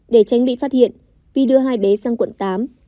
để tránh bị phát hiện vi đưa hai bé sang quận tám